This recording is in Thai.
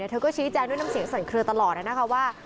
เธอก็ชี้แจงด้วยน้ำเสียงสั่นเคลือตลอดนะคะว่า